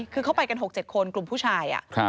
คือเขาไปกัน๖๗คนกลุ่มผู้ชาย